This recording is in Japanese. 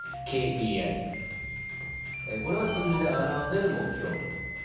えこれは数字で表せる目標。